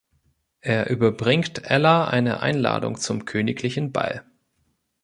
Er überbringt Ella eine Einladung zum königlichen Ball.